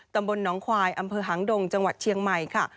ตำบลหนองควายอำเภอหางดงจังหวัดเชียงใหม่ค่ะ